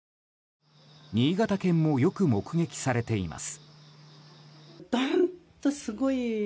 新潟県もよく目撃されています。